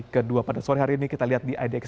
kedua pada sore hari ini kita lihat di idx